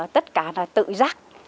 tất cả là tự rác